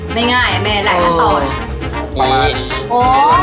ไม่ง่ายไม่หลายคนต่อ